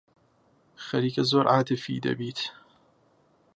خەریکە زۆر عاتیفی دەبیت.